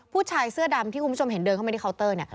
ผู้ชายเสื้อดำที่คุณผู้ชมเห็นเดินเข้ามาที่เคาน์เตอร์เนี่ย